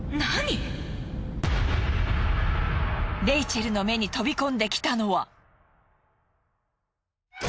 レイチェルの目に飛び込んできたのは。